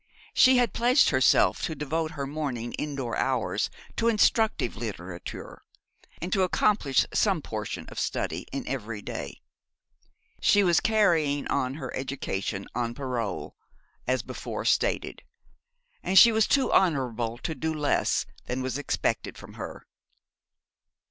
She had pledged herself to devote her morning indoor hours to instructive literature, and to accomplish some portion of study in every day. She was carrying on her education on parole, as before stated; and she was too honourable to do less than was expected from her.